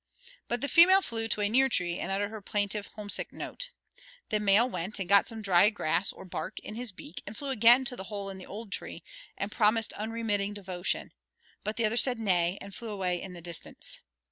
But the female flew to a near tree, and uttered her plaintive, homesick note. The male went and got some dry grass or bark in his beak, and flew again to the hole in the old tree, and promised unremitting devotion, but the other said "nay," and flew away in the distance.